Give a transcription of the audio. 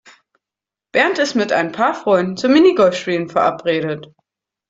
Bernd ist mit ein paar Freunden zum Minigolfspielen verabredet.